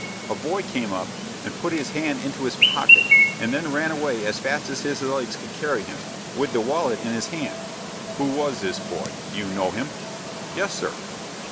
A boy came up, and put his hand into his pocket, and then run away as fast as his legs could carry him, wid the wallet in his hand." "Who was this boy? Do you know him?" "Yes, sir."